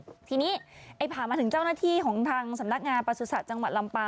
ทีนี้ไอ้ผ่ามาถึงเจ้าหน้าที่ของทางสำนักงานประสุทธิ์จังหวัดลำปาง